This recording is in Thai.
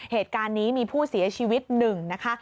เหตุการณ์นี้มีผู้เสียชีวิต๑นะคะ